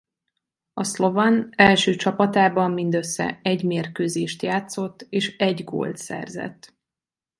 A Slovan első csapatában mindössze egy mérkőzést játszott és egy gólt szerzett.